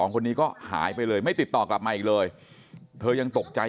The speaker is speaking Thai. คนนี้ก็หายไปเลยไม่ติดต่อกลับมาอีกเลยเธอยังตกใจ